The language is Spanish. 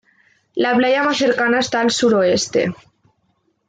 La playa más cercana está al suroeste.